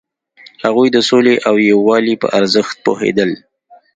هغوی د سولې او یووالي په ارزښت پوهیدل.